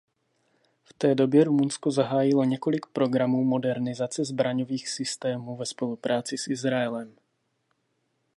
V té době Rumunsko zahájilo několik programů modernizace zbraňových systémů ve spolupráci s Izraelem.